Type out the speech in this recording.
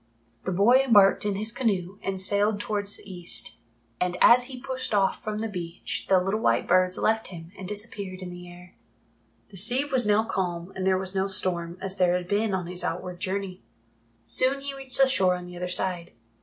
The boy embarked in his canoe and sailed towards the east, and as he pushed off from the beach the little white birds left him and disappeared in the air. The sea was now calm and there was no storm, as there had been on his outward journey. Soon he reached the shore on the other side.